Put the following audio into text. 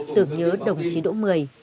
tưởng nhớ đồng chí đỗ mười